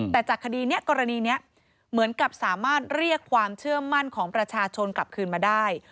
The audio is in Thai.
แต่จากคดีนี้กรณีนี้เหมือนกับสามารถเรียกความเชื่อมั่นของประชาชนกลับคืนมาได้